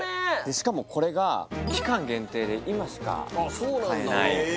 しかもこれが期間限定で今しか買えないああ